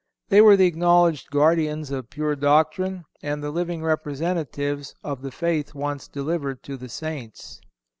They were the acknowledged guardians of pure doctrine, and the living representatives "of the faith once delivered to the Saints."